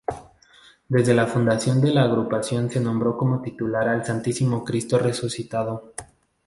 Desde la fundación de la Agrupación se nombró como titular al Santísimo Cristo Resucitado.